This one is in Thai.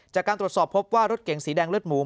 จากการตรวจสอบพบว่ารถเก๋งสีแดงเลือดหมู